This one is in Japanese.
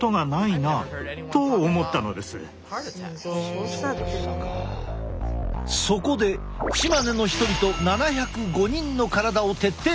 そういえばそこでチマネの人々７０５人の体を徹底分析。